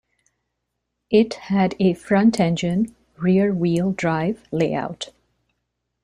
It had a front-engine, rear-wheel-drive layout.